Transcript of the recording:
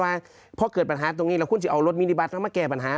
ว่าเพราะเกิดปัญหาตรงนี้แล้วคุณสิเอารถมินิบัสนะมาแก่ปัญหา